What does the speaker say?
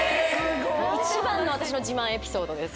一番の私の自慢エピソードです